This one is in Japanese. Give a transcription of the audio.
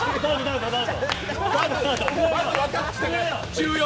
１４。